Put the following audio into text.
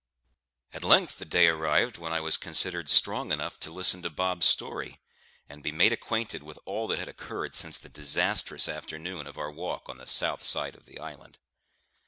At length the day arrived when I was considered strong enough to listen to Bob's story, and be made acquainted with all that had occurred since the disastrous afternoon of our walk on the south side of the island.